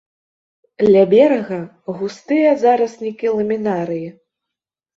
Ля берага густыя зараснікі ламінарыі.